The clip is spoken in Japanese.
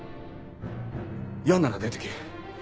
嫌なら出ていけ。